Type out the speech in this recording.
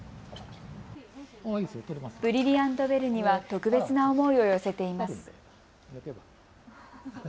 ブリリアント・ベルには特別な思いを寄せています。